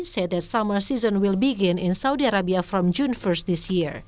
menyebutkan musim panas di saudi akan mulai dari satu juni tahun ini